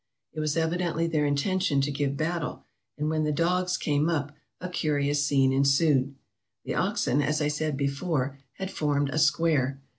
It was evidently their intention to give battle, and when the dogs came up, a curious scene ensued. "The oxen, as I said before, had formed a square.